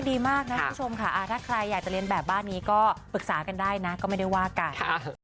ดีมากนะคุณผู้ชมค่ะถ้าใครอยากจะเรียนแบบบ้านนี้ก็ปรึกษากันได้นะก็ไม่ได้ว่ากัน